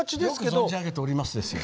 よく存じ上げておりますですよ。